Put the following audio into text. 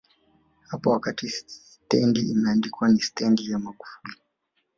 hapa wakati stendi imeandikwa ni Stendi ya Magufuli